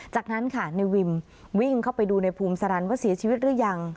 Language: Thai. จากนั้นค่ะในวิมวิ่งเข้าไปดูในภูมิสารันว่าเสียชีวิตหรือยัง